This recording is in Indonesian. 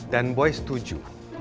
dan boy setuju